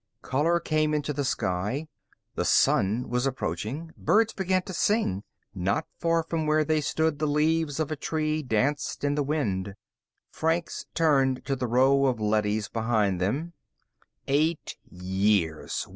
Color came into the sky. The Sun was approaching. Birds began to sing. Not far from where they stood, the leaves of a tree danced in the wind. Franks turned to the row of leadys behind them. "Eight years.